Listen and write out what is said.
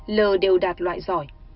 lờ đều đạt loại giỏi